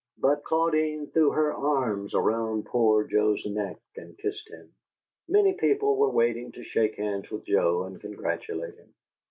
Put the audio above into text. But Claudine threw her arms around poor Joe's neck and kissed him. Many people were waiting to shake hands with Joe and congratulate him.